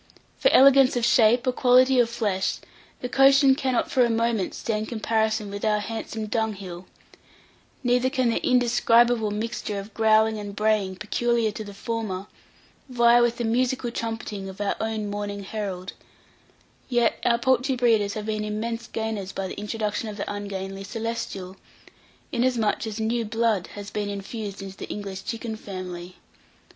For elegance of shape or quality of flesh, the Cochin cannot for a moment stand comparison with our handsome dunghill; neither can the indescribable mixture of growling and braying, peculiar to the former, vie with the musical trumpeting of our own morning herald: yet our poultry breeders have been immense gainers by the introduction of the ungainly celestial, inasmuch as new blood has been infused into the English chicken family.